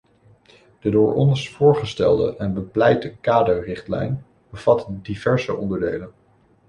De door ons voorgestelde en bepleite kaderrichtlijn bevat diverse onderdelen.